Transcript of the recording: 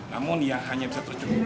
namun yang hanya bisa terjun